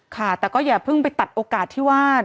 ค่ะแต่ก็อย่าเพิ่งไปตัดโอกาสที่ว่า